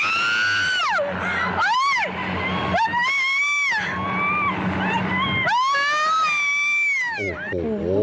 อ้าวอ้าวอ้าวอ้าวโอ้โห